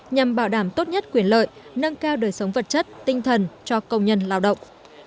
nhằm bảo đảm tốt nhất quyền lợi nâng cao đời sống vật chất tinh thần cho công nhân lao động